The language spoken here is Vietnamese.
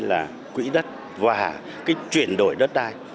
là quỹ đất và cái chuyển đổi đất đai